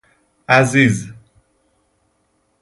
عزیز